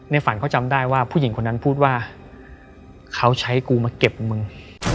ฝันเขาจำได้ว่าผู้หญิงคนนั้นพูดว่าเขาใช้กูมาเก็บมึง